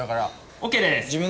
オッケー。